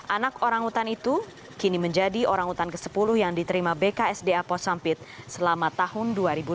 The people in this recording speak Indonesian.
anak orangutan itu kini menjadi orangutan ke sepuluh yang diterima bksda pos sampit selama tahun dua ribu enam belas